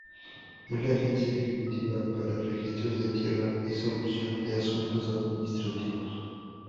Es la agencia ejecutiva para registros de tierra y solución de asuntos administrativos.